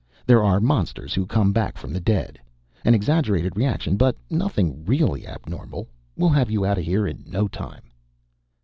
There are monsters who come back from the dead! An exaggerated reaction, but nothing really abnormal. We'll have you out of here in no time."